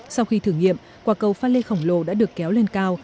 sau khi thử nghiệm quả cầu pha lê khổng lồ đã được kéo lên cao